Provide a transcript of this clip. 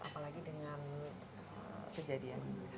apalagi dengan kejadian